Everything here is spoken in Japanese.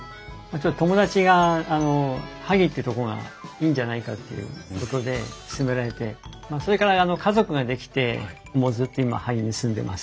友達が萩ってとこがいいんじゃないかっていうことで勧められてそれから家族が出来てもうずっと今萩に住んでます。